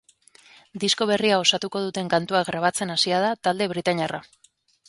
Disko berria osatuko duten kantuak grabatzen hasia da talde britainiarra.